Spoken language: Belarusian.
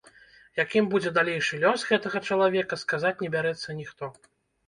Якім будзе далейшы лёс гэтага чалавека, сказаць не бярэцца ніхто.